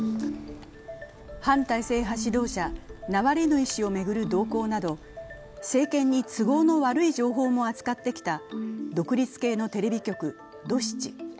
反体制派指導者ナワリヌイ氏を巡る動向など、政権に都合の悪い情報も扱ってきた独立系のテレビ局ドシチ。